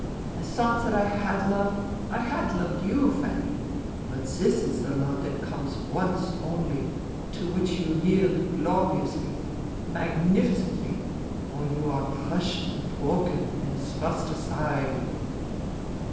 I thought that I had loved, I had loved, you, Fanny ; but this is the love that comes once only, to which you yield gloriously, magnificently, or you are crushed and broken and thrust aside.